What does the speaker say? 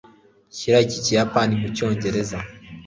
shyira iki kiyapani mucyongereza